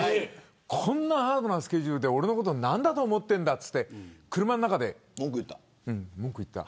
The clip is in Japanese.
こんなハードなスケジュールで俺のこと何だと思っているんだと車の中で文句を言った。